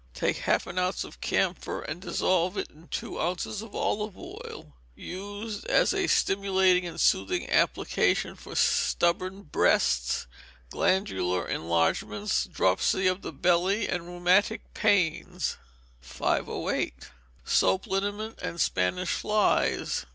Take half an ounce of camphor and dissolve it in two ounces of olive oil. Use as a stimulating and soothing application for stubborn breasts, glandular enlargements, dropsy of the belly, and rheumatic pains. 508. Soap Liniment with Spanish Flies.